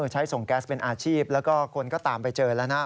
ใช้ส่งแก๊สเป็นอาชีพแล้วก็คนก็ตามไปเจอแล้วนะ